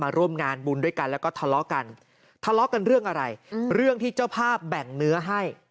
ร่วมงานบุญด้วยกันแล้วก็ทะเลาะกันทะเลาะกันเรื่องอะไรเรื่องที่เจ้าภาพแบ่งเนื้อให้